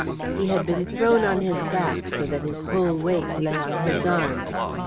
He had been thrown on his back, so that his whole weight lay on his arms.